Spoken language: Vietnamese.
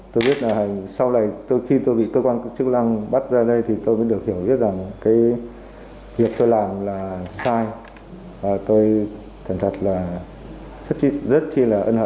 tôi biết là sau này tôi khi tôi bị cơ quan chức năng bắt ra đây thì tôi mới được hiểu biết rằng cái việc tôi làm là sai và tôi thật là rất chi là ân hậ